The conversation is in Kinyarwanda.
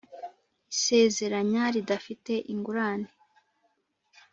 Isezeranya ridafite ingurane